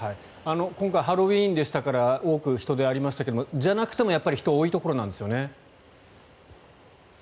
今回ハロウィーンでしたから多く人出がありましたがじゃなくても、やっぱり人が多いところなんですよね。